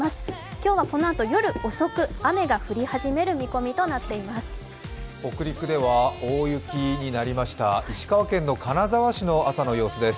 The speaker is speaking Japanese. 今日はこのあと夜遅く、雨が降り始める見込みとなっています。